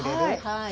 はい。